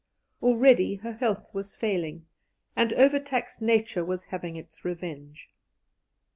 Already her health was failing, and overtaxed nature was having its revenge.